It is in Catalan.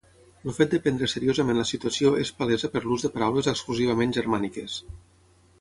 El fet de prendre seriosament la situació és palesa per l'ús de paraules exclusivament germàniques.